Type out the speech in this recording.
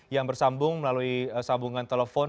yang bersambung melalui sambungan telepon